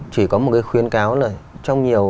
thì có một cái khuyến cáo là trong nhiều